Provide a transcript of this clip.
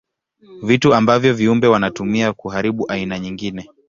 Vitu ambavyo viumbe wanatumia kuharibu aina nyingine.